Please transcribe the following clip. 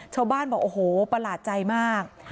ชาวบ้านบอกโอ้โหประหลาดใจมาก